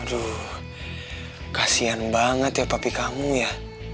aduh kasian banget ya papi kamu ya